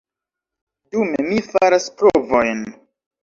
Dume, mi faras provojn.